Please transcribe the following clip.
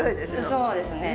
そうですね。